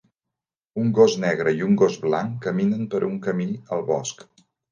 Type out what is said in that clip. Un gos negre i un gos blanc caminen per un camí al bosc